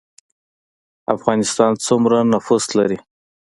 افغانستان سومره نفوس لري